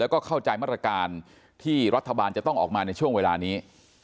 แล้วก็เข้าใจมาตรการที่รัฐบาลจะต้องออกมาในช่วงเวลานี้